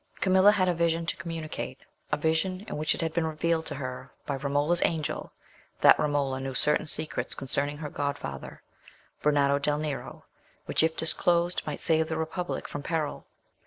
Camilla had a vision to communicate—a vision in which it had been revealed to her by Romola's Angel, that Romola knew certain secrets concerning her godfather, Bernardo del Nero, which, if disclosed, might save the Republic from peril.